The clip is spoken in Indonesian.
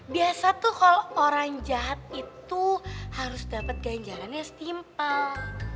biasa tuh kalau orang jahat itu harus dapat ganjalannya setimpal